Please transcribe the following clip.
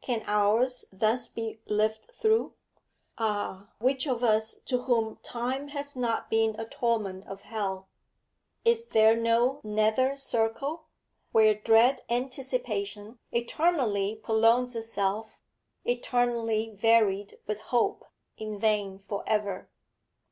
Can hours thus be lived through? Ah, which of us to whom time has not been a torment of hell? Is there no nether Circle, where dread anticipation eternally prolongs itself, eternally varied with hope in vain for ever?